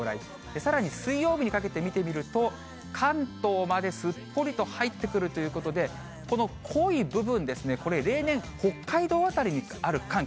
さらに水曜日にかけて見てみると、関東まですっぽりと入ってくるということで、この濃い部分ですね、これ、例年、北海道辺りにかかる寒気。